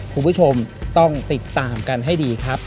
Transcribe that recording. คุณผู้ชมต้องติดตามกันให้ดีครับ